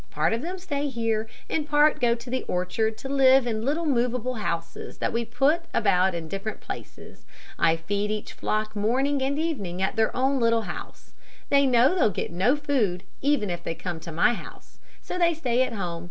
Part of them stay here and part go to the orchard to live in little movable houses that we put about in different places. I feed each flock morning and evening at their own little house. They know they'll get no food even if they come to my house, so they stay at home.